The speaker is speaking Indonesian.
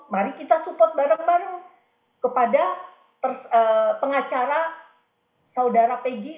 mari kita support bareng bareng kepada pengacara saudara pg